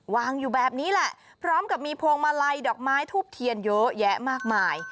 วางอยู่แบบนี้แหละพร้อมกับมีพวงมาลัยดอกไม้ทูบเทียนเยอะแยะมากมาย